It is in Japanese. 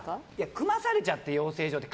組まされちゃって、養成所で。